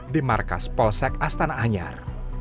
di markas polsek astana anyar